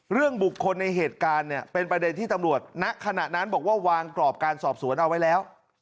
เรื่องบุคคลในเหตุการณ์เนี่ยเป็นประเด็นที่ตำรวจณขณะนั้นบอกว่าวางกรอบการสอบสวนเอาไว้แล้ว